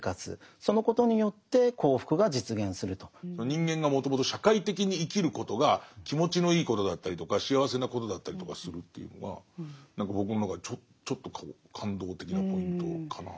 人間がもともと社会的に生きることが気持ちのいいことだったりとか幸せなことだったりとかするというのが僕の中でちょっと感動的なポイントかな。